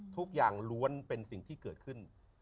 ทุกอย่างล้วนเป็นสิ่งที่เกิดขึ้น